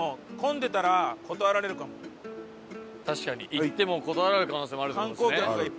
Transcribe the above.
行っても断られる可能性もあるって事ですね。